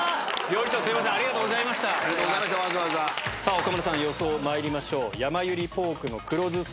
岡村さん予想まいりましょう。